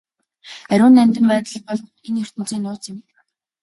Ариун нандин байдал бол энэ ертөнцийн нууц юм.